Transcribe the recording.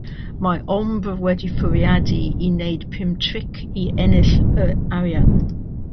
Mae ombr wedi'i fwriadu i wneud pum tric i ennill yr arian.